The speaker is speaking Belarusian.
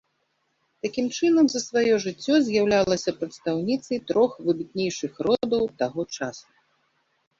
Такім чынам за сваё жыццё, з'яўлялася прадстаўніцай трох выбітнейшых родаў таго часу.